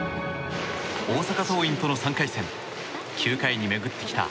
大阪桐蔭との３回戦９回に巡ってきた